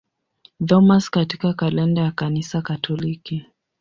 Thomas katika kalenda ya Kanisa Katoliki.